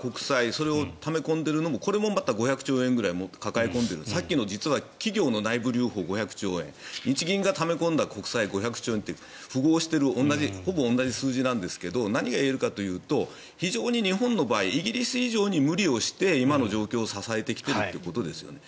それをため込んでいるのもこれもまた５００兆円くらい抱え込んでいるさっきの企業の内部留保５００兆円日銀がため込んだ国債５００兆円って符合しているほぼ同じ数字なんですけど何が言えるかというと非常に日本の場合イギリス以上に無理をして今の状況を支えてきているということですよね。